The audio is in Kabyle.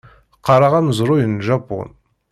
Qqareɣ amezruy n Japun.